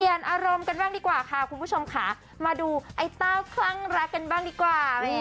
เปลี่ยนอารมณ์กันบ้างดีกว่าค่าคุณผู้ชมมาดูไอ้เต้าค้างรักกันบ้างดีกว่า